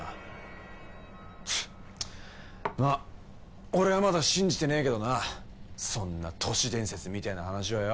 まあ俺はまだ信じてねえけどなそんな都市伝説みてえな話をよ。